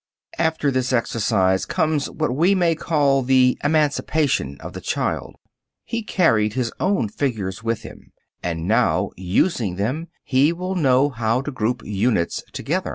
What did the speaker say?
After this exercise comes what we may call the "emancipation" of the child. He carried his own figures with him, and now using them he will know how to group units together.